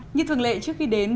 như thường lệ trước khi đến